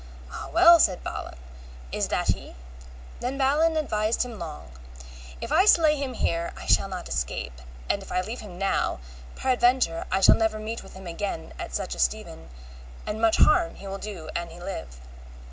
Ah well, said Balin, is that he? Then Balin advised him long: If I slay him here I shall not escape, and if I leave him now, peradventure I shall never meet with him again at such a steven, and much harm he will do an he live.